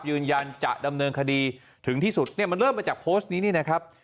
ยืนยันจะดำเนินคดีถึงที่สุดเนี่ยมันเริ่มมาจากโพสต์นี้นี่นะครับ